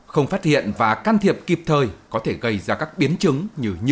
không phát hiện và can thiệp kịp thời có thể gây ra các biến chứng như